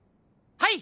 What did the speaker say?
はい。